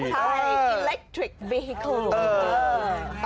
ใช้อิเล็กทริค